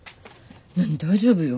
何大丈夫よ。